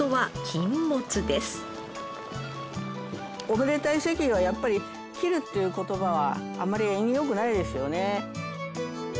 おめでたい席はやっぱり切るっていう言葉はあまり縁起が良くないですよね。